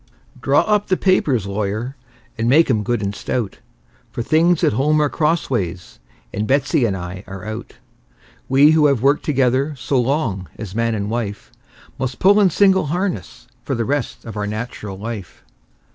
Draw up the papers, lawyer, and make 'em good and stout; For things at home are crossways, and Betsey and I are out. We, who have worked together so long as man and wife, Must pull in single harness for the rest of our nat'ral life.